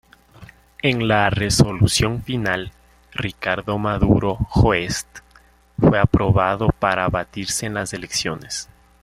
En la resolución final, Ricardo Maduro Joest fue aprobado para batirse en las elecciones.